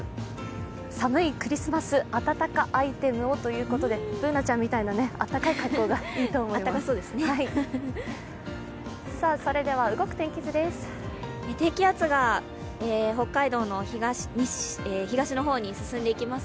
寒いクリスマス、暖かアイテムをということで、Ｂｏｏｎａちゃんみたいな暖かい格好がいいと思います。